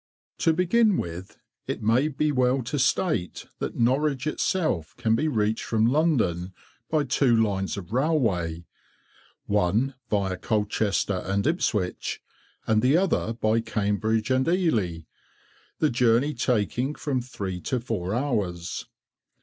[Picture: Decorative drop capital] To begin with, it may be well to state that Norwich itself can be reached from London by two lines of railway—one via Colchester and Ipswich, and the other by Cambridge and Ely, the journey taking from three to four hours.